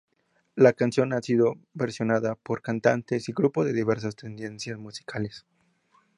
La canción ha sido versionada por cantantes y grupos de diversas tendencias musicales.